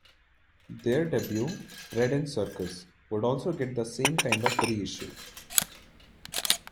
Their debut, "Bread and Circus" would also get the same kind of re-issue.